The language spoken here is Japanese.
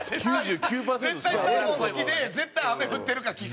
絶対サーモン好きで絶対雨降ってるか聞く。